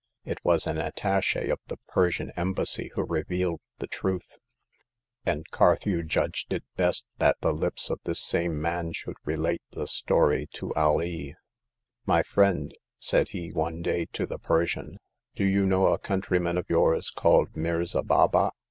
It was an Attache of the Persian Embassy who revealed the truth ; and Carthew judged it best that the lips of this same man should relate the story to Alee. My friend," said he one day to the Persian, do you know a countryman of yours called Mirza Baba